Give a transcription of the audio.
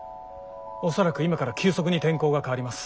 恐らく今から急速に天候が変わります。